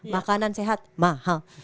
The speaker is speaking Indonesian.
makanan sehat mahal